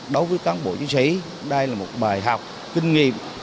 đối với cán bộ chiến sĩ đây là một bài học kinh nghiệm